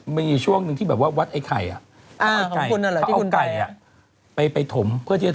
มันอยู่ช่วงที่แบบวัดไอ้ไข่